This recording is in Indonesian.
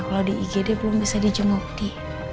kalau di igd belum bisa dijemuk di